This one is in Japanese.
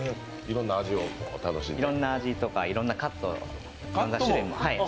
いろんな味とかいろんなカットを。